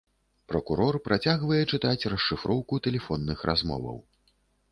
Пракурор працягвае чытаць расшыфроўку тэлефонных размоваў.